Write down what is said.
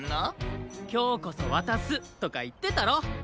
「きょうこそわたす」とかいってたろ！